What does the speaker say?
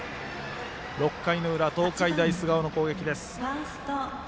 ６回裏、東海大菅生の攻撃です。